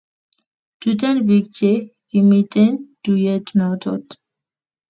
Tuten pik che kimiten tuyet noton